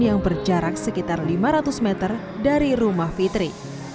yang berjarak sekitar lima ratus meter dari rumah fitri